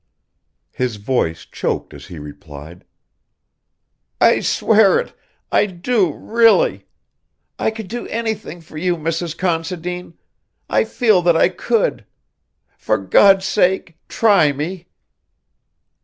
His voice choked as he replied. "I swear it I do really. I could do anything for you, Mrs. Considine. I feel that I could. For God's sake try me!"